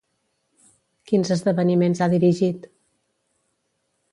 Quins esdeveniments ha dirigit?